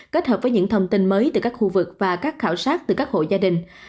kết hợp với những thông tin mới từ các khu vực và các khảo sát từ các hộ gia đình